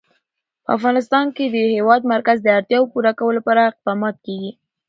په افغانستان کې د د هېواد مرکز د اړتیاوو پوره کولو لپاره اقدامات کېږي.